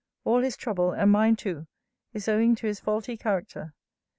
All his trouble, and mine too, is owing to his faulty character.